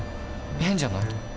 変じゃない？